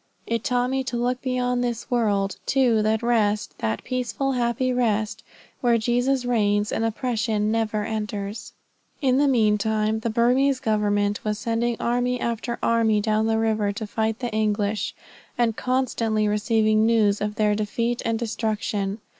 It taught me to look beyond this world, to that rest, that peaceful, happy rest, where Jesus reigns, and oppression never enters." In the meantime, the Burmese government was sending army after army down the river to fight the English; and constantly receiving news of their defeat and destruction.